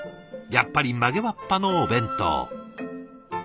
やっぱり曲げわっぱのお弁当。